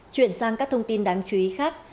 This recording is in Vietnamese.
chuyển sang các thông tin đáng chú ý khác